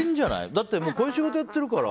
だってこういう仕事やってるから。